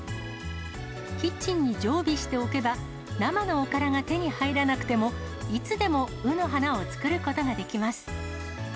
キッチンに常備しておけば、生のおからが手に入らなくても、いつでもうの花を作ることができます。